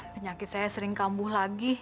penyakit saya sering kambuh lagi